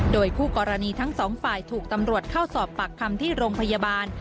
โดยคู่กรณีทั้งสองฝ่ายถูกตำรวจเข้าสอบปากคำที่โรงพยาบาล